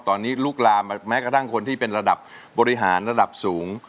ตอนนี้ลุกลามแม้กระทั่งคนที่เป็นระดับบริหารระดับสูง